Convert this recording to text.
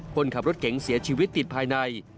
คนขับรถเก๋งเสียชีวิตติดภายใน